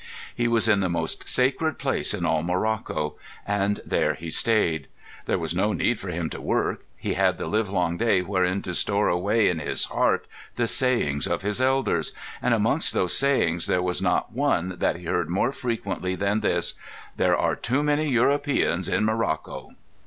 He was in the most sacred place in all Morocco; and there he stayed. There was no need for him to work. He had the livelong day wherein to store away in his heart the sayings of his elders. And amongst those sayings there was not one that he heard more frequently than this: "There are too many Europeans in Morocco."